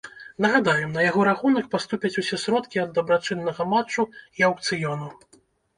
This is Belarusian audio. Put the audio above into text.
Нагадаем, на яго рахунак паступяць усе сродкі ад дабрачыннага матчу і аўкцыёну.